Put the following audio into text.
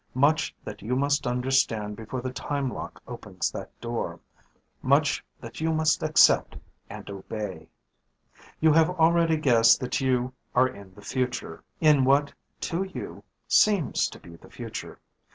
Much that you must understand before the time lock opens that door. Much that you must accept and obey. "You have already guessed that you are in the future in what, to you, seems to be the future.